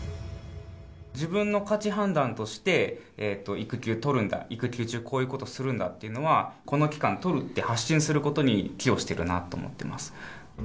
自分の価値判断として、育休取るんだ、育休中こういうことするんだっていうのは、この期間取るって発信することに寄与してるなと思っています。